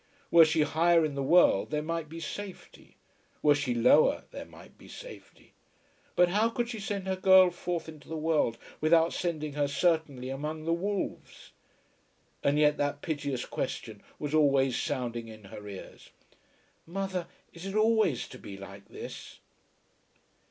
Were she higher in the world there might be safety. Were she lower there might be safety. But how could she send her girl forth into the world without sending her certainly among the wolves? And yet that piteous question was always sounding in her ears. "Mother, is it always to be like this?"